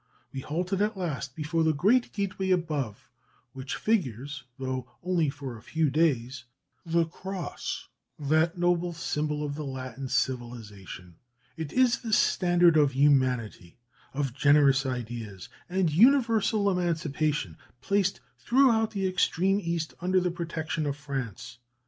We halted at last before the great gateway above which figures, though only for a few days, the cross, that noble symbol of the Latin civilization. It is the standard of humanity, of generous ideas and universal emancipation, placed throughout the extreme East under the protection of France.